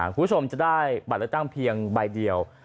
คุณผู้ชมจะได้บัตรเลือกตั้งเพียงใบเดียว